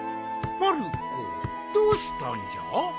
まる子どうしたんじゃ？